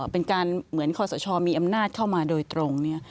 เป็นการเหมือนคอสชมีอำนาจเข้ามาโดยตรง